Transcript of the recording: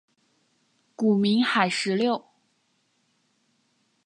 古名海石榴。